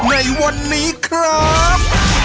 ขอบคุณครับ